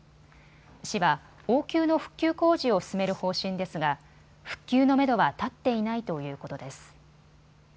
市は応急の復旧工事を進める方針ですが復旧のめどは立っていないということです。